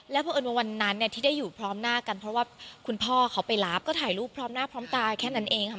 เพราะเอิญว่าวันนั้นเนี่ยที่ได้อยู่พร้อมหน้ากันเพราะว่าคุณพ่อเขาไปรับก็ถ่ายรูปพร้อมหน้าพร้อมตาแค่นั้นเองค่ะ